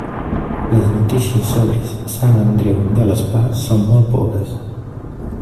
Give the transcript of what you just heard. Les notícies sobre Sant Andreu de l'Espà són molt pobres.